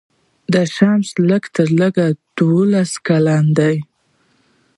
د شمسي لږ تر لږه دوره یوولس کاله ده.